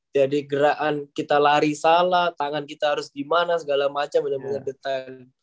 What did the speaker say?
jadi gerakan kita lari salah tangan kita harus gimana segala macam bener bener detail